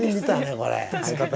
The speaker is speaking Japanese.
これ。